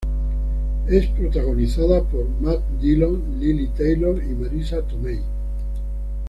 Es protagonizada por Matt Dillon, Lili Taylor y Marisa Tomei.